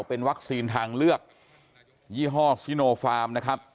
เป็นวัคซีนทางเลือกยี่ห้อซิโนฟาร์มนะครับ